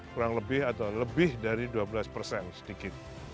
kurang lebih atau lebih dari dua belas persen sedikit